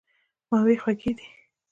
میوې خوږې دي.